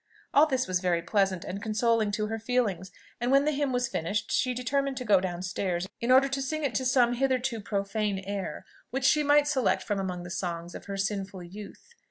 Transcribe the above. All this was very pleasant and consoling to her feelings; and when her hymn was finished she determined to go down stairs, in order to sing it to some (hitherto) profane air, which she might select from among the songs of her sinful youth.